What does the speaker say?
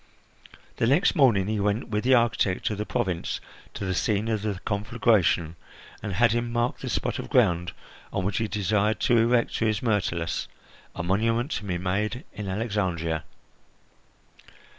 The next morning he went with the architect of the province to the scene of the conflagration, and had him mark the spot of ground on which he desired to erect to his Myrtilus a monument to be made in Alexandria.